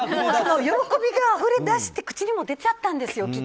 喜びがあふれ出して口にも出しちゃったんですよ